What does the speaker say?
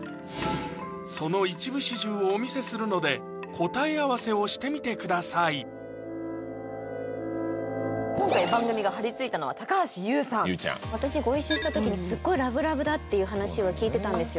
その一部始終をお見せするので答え合わせをしてみてください今回番組が張り付いたのは高橋ユウさん私ご一緒した時にスゴいラブラブだっていう話は聞いてたんですよ